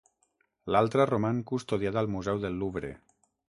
L'altra roman custodiada al Museu del Louvre.